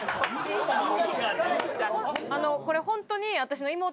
あのこれホントに。